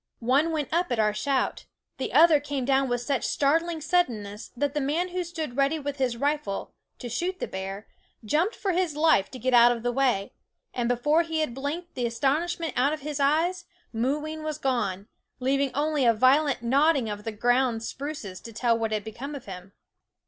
One went up at our shout; the other came down with such startling suddenness that the man who stood ready with his rifle, to shoot the bear, jumped for his life to get out of the way ; and before he had blinked the astonishment out of his eyes Mooween was gone, leaving only a vio lent nodding of the ground spruces to tell what had become of him.